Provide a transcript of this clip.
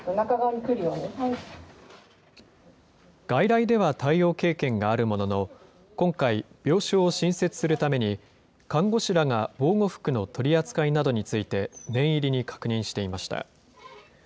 外来では対応経験があるものの、今回、病床を新設するために看護師らが防護服の取り扱いなどについて念入りに確認していました。